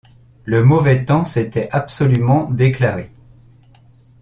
Le mauvais temps s’était absolument déclaré.